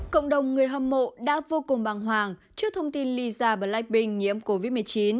cộng đồng người hâm mộ đã vô cùng băng hoàng trước thông tin lisa blackpink nhiễm covid một mươi chín